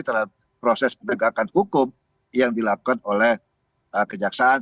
terhadap proses penegakan hukum yang dilakukan oleh kejaksaan